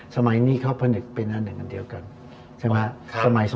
สมัยนี้เขาผนึกเป็นอันหนึ่งอันเดียวกันใช่ไหมครับ